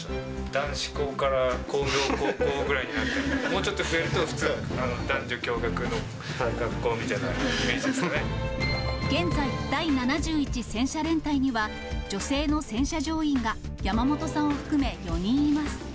男子校から工業高校ぐらいになって、もうちょっと増えると、現在、第７１戦車連隊には女性の戦車乗員が山本さんを含め４人います。